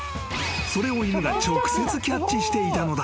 それを犬が直接キャッチしていたのだ］